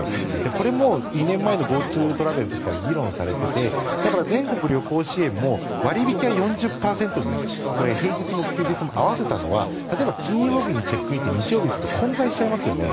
これも２年前のＧｏＴｏトラベルの時から議論されていて全国旅行支援も割引は４０％これ、平日も休日も合わせたのは例えば、金曜日にチェックインして日曜日にすると混在しますよね。